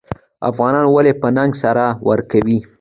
افغانان ولې په ننګ سر ورکوي؟